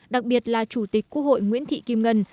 đặc biệt là chủ tịch quốc hội nguyễn thị kim ngân